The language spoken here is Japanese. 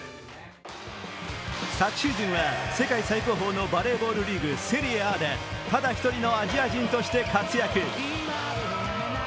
昨シーズンは世界最高峰のバレーボールリーグ、セリエＡでただ一人のアジア人として活躍。